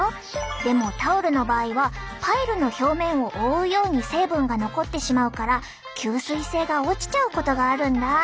でもタオルの場合はパイルの表面を覆うように成分が残ってしまうから吸水性が落ちちゃうことがあるんだ。